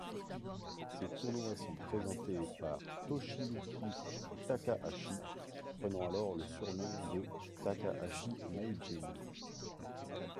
Ces tournois sont présentés par Toshiyuki Takahashi, prenant alors le surnom de Takahashi Meijin.